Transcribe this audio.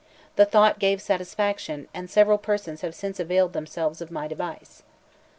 The thought gave satisfaction, and several persons have since availed themselves of my device.